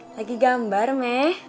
lagi gambar meh